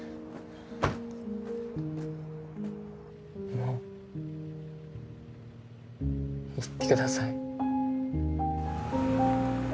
もう行ってください。